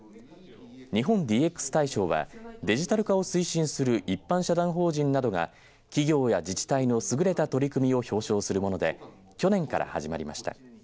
日本ＤＸ大賞はデジタル化を推進する一般社団法人などが企業や自治体の優れた取り組みを表彰するもので去年から始まりました。